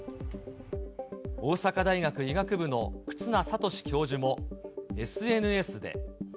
大阪大学医学部の忽那賢志教授も、ＳＮＳで。